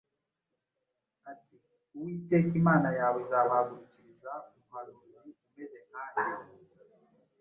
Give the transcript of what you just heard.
ati, “Uwiteka Imana yawe izabahagurukiriza umuhanuzi umeze nkanjye,